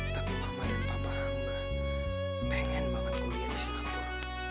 tapi mama dan papa hamba pengen banget kuliah di singapura